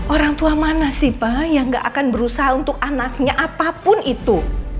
orang tua mana sih pak yang gak akan berusaha untuk anaknya apapun itu